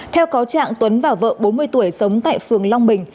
theo cáo trạng tuấn và vợ bốn mươi tuổi sống tại phường long bình